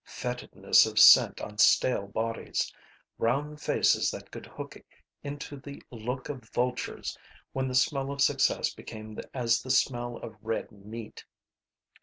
Fetidness of scent on stale bodies. Round faces that could hook into the look of vultures when the smell of success became as the smell of red meat.